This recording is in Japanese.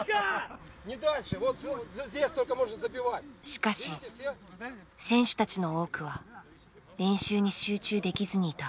しかし選手たちの多くは練習に集中できずにいた。